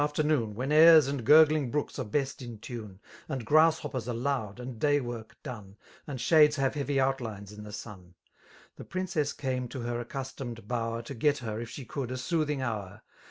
8flemoon> When airs and gurgling brooks are best in tune^ And grasshoppers are ioud> and dayrwork 4mm, And shades have heavy outlines in the sun,*^ The princess came to her accustomed bower To get her^ if she could^ a soothing ho.ur.